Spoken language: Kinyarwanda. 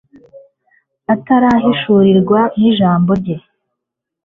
atarahishurirwa n ijambo rye